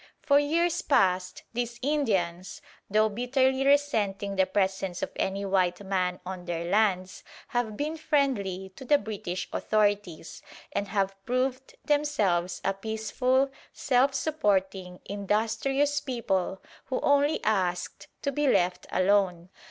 For years past these Indians, though bitterly resenting the presence of any white man on their lands, have been friendly to the British authorities, and have proved themselves a peaceful, self supporting, industrious people who only asked to be left alone.